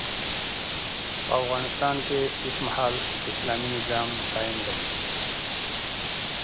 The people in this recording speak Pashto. په افغانستان کي اوسمهال اسلامي نظام قايم دی